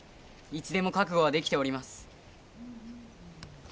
いつでも覚悟はできております。